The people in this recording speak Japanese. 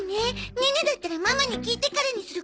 ネネだったらママに聞いてからにするかな。